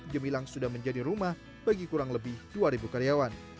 gemilang sudah menjadi rumah bagi kurang lebih dua ribu karyawan